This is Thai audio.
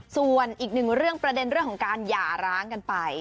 ส่วนอีกหนึ่งเรื่องประเด็นเรื่องของการหย่าร้างกันไป